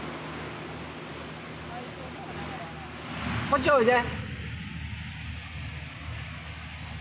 こっちおいで！